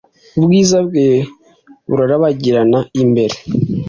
ubwiza bwe burabagirana imbere